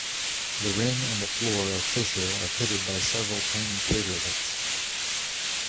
The rim and the floor of Fischer are pitted by several tiny craterlets.